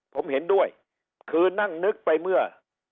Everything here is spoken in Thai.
ผมเห็นด้วยคือนั่งนึกไปเมื่อ